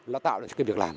nó tạo được cái việc làm